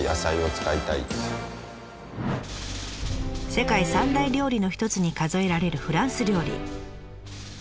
世界三大料理の一つに数えられるフランス料理。